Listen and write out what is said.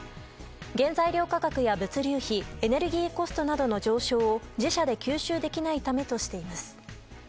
原材料価格や物流費エネルギーコストの上昇を自社で吸収できないためとしています。